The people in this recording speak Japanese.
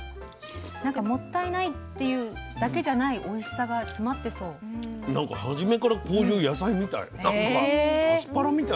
もったいないっていうだけじゃない初めからこういう野菜みたい。